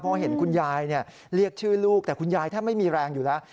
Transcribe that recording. เพราะเห็นคุณยายเรียกชื่อลูกแต่คุณยายแทบไม่มีแรงอยู่แล้ว